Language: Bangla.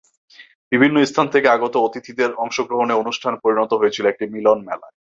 বিভিন্ন স্থান থেকে আগত অতিথিদের অংশগ্রহণে অনুষ্ঠান পরিণত হয়েছিল একটি মিলনমেলায়।